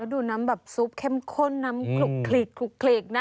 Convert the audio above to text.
แล้วดูน้ำแบบซุปเข้มข้นน้ำกรุกกรีกนะ